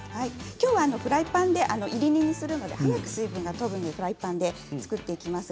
きょうはフライパンでいり煮にするので早く水分が飛ぶようにフライパンで作っていきます。